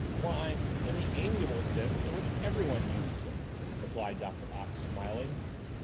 "Why, in the amiable sense in which everybody uses it," replied Doctor Ox, smiling.